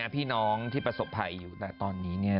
พี่น้องที่ประสบภัยอยู่แต่ตอนนี้เนี่ย